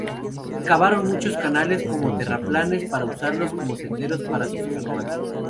Cavaron muchos canales como terraplenes, para usarlos como senderos para sus canoas.